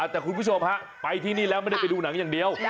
แต่คุณผู้ชมฮะไปที่นี่แล้วไม่ได้ไปดูหนังอย่างเดียว